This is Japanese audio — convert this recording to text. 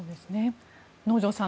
能條さん